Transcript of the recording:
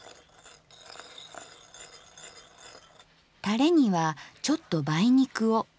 タレにはちょっと梅肉を。